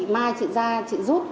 mai chị ra chị rút